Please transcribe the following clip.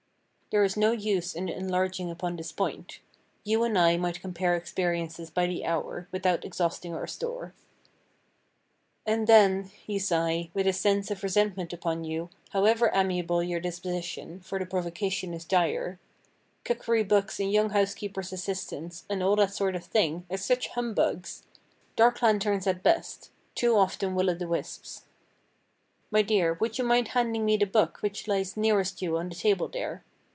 There is no use in enlarging upon this point. You and I might compare experiences by the hour without exhausting our store. "And then"—you sigh, with a sense of resentment upon you, however amiable your disposition, for the provocation is dire—"cookery books and young housekeepers' assistants, and all that sort of thing, are such humbugs!—Dark lanterns at best—too often Will o' the wisps." My dear, would you mind handing me the book which lies nearest you on the table there?